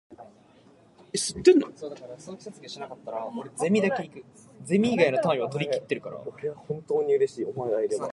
The village has a druid woodland sculpture park, noted for its large sleeping dragon.